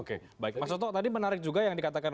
oke baik mas soto tadi menarik juga yang dikatakan